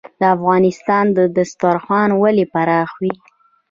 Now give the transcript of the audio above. د افغانانو دسترخان ولې پراخ وي؟